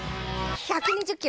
１８０キロ。